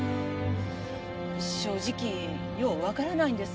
正直ようわからないんです。